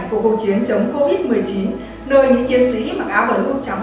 của cuộc chiến chống covid một mươi chín nơi những chiến sĩ mặc áo bình luận trắng